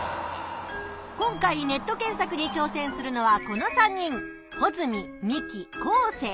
今回ネット検索にちょうせんするのはこの３人。